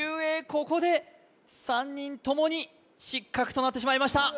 ここで３人共に失格となってしまいました